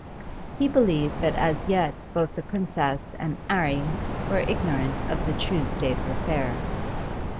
He believed that as yet both the Princess and 'Arry were ignorant of the true state of affairs.